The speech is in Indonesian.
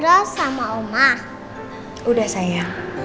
lapsdek ini punya siapa ya